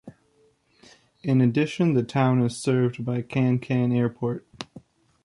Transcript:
In addition, the town is served by Kankan Airport.